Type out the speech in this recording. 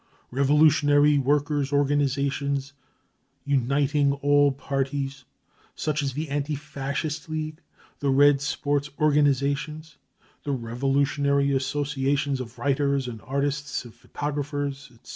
Revolutionary workers' organi sations uniting all parties, such as the anti Fascist League, the Red Sports organisations, the revolutionary associa tions of writers and artists and photographers, etc.